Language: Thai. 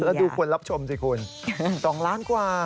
แล้วดูคนรับชมสิคุณ๒ล้านกว่า